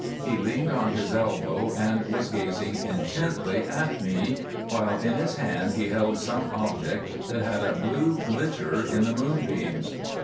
He leaned on his elbow and was gazing intently at me, while in his hand he held some object that had a blue glitter in the moonbeams.